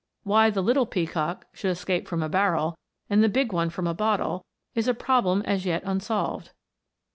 Why the little peacock should escape from a barrel, and the big one from a bottle, is a problem as yet unsolved.